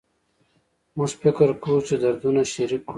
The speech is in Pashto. موږ فکر کوو چې دردونه شریک کړو